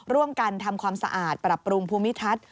ร่วมกันทำความสะอาดปรับปรุงภูมิทัศน์